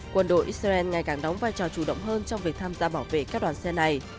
quân đội israel ngày càng đóng vai trò chủ động hơn trong việc tham gia bảo vệ các đoàn xe này